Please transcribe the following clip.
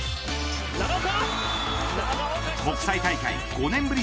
国際大会５年ぶり